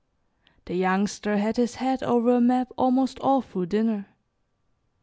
The Youngster had his head over a map almost all through dinner.